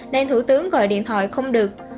nên thủ tướng gọi điện thoại không được